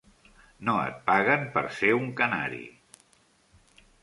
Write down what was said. No et paguen per ser un canari.